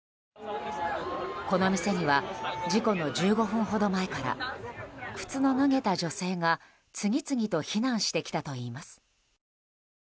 この店には事故の１５分ほど前から靴の脱げた女性が次々と避難してきたといいます。